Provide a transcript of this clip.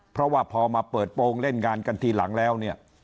เพราะว่าพอมาเปิดโปรงเล่นงานกันทีหลังแล้วเนี่ย